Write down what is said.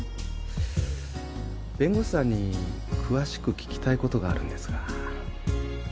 弁護士さんに詳しく聞きたいことがあるんですが。